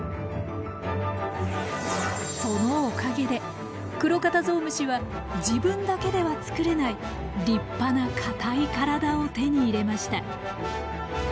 そのおかげでクロカタゾウムシは自分だけでは作れない立派な硬い体を手に入れました。